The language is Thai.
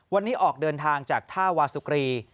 วันนี้ออกเดินทางจากท่าวาสุกรี